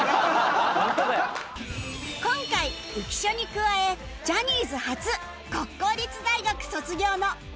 今回浮所に加えジャニーズ初国公立大学卒業の福本